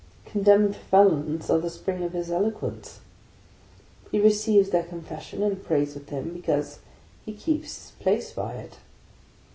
Condemned felons are the spring of his eloquence; he receives their confession, and prays with them, because he keeps his place by it.